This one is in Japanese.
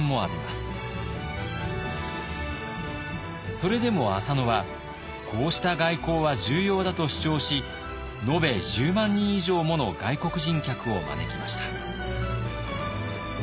それでも浅野はこうした外交は重要だと主張し延べ１０万人以上もの外国人客を招きました。